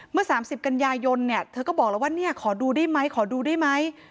เมื่อ๓๐กันยายนเนี่ยเธอก็บอกแล้วว่าเนี่ยขอดูได้ไหมขอดูได้ไหม